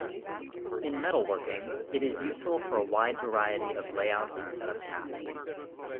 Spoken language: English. In metalworking, it is useful for a wide variety of layout and setup tasks.